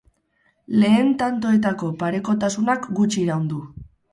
Lehen tantoetako parekotasunak gutxi iraun du.